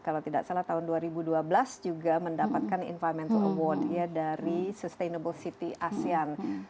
kalau tidak salah tahun dua ribu dua belas juga mendapatkan environmental award ya dari sustainable city asean